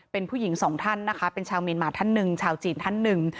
เป็นผู้หญิงสองท่านนะคะเป็นชาวเมียนมาท่านหนึ่งชาวจีนท่านหนึ่ง